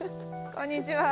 こんにちは。